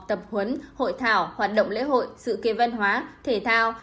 tập huấn hội thảo hoạt động lễ hội sự kiện văn hóa thể thao